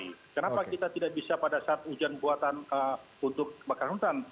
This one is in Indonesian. saya kira itu belum bulan februari kenapa kita tidak bisa pada saat hujan buatan untuk makarnuntan